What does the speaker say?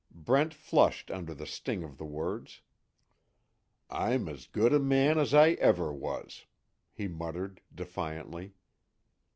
Brent flushed under the sting of the words: "I'm as good a man as I ever was," he muttered, defiantly.